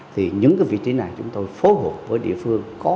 thì những cái vị trí này chúng tôi phối hợp với địa phương